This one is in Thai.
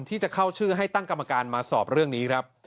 ที่จะเข้าชื่อให้ตั้งกรรมการมาสอบเรื่องนี้ครับ